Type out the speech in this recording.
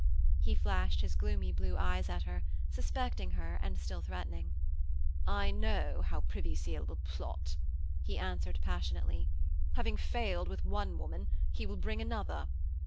He flashed his gloomy blue eyes at her, suspecting her, and still threatening. 'I know how Privy Seal will plot,' he said passionately. 'Having failed with one woman he will bring another.'